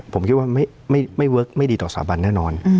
ผมคิดว่าไม่เวิร์คไม่ดีต่อสถาบันแน่นอน